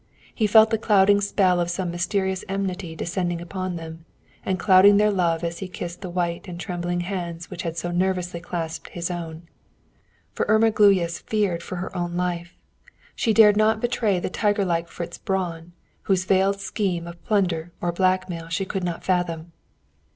He felt the clouding spell of some mysterious enmity descending upon them, and clouding their love as he kissed the white and trembling hands which had so nervously clasped his own. For Irma Gluyas feared for her own life. She dared not betray the tiger like Fritz Braun, whose veiled scheme of plunder or blackmail she could not fathom.